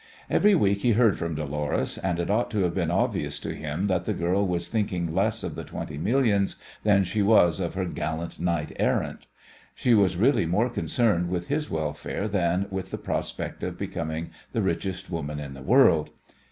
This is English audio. Every week he heard from Dolores, and it ought to have been obvious to him that the girl was thinking less of the twenty millions than she was of her "gallant knight errant." She was really more concerned with his welfare than with the prospect of becoming the richest woman in the world.